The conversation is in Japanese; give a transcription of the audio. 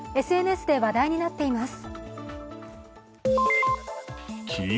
ＳＮＳで話題になっています。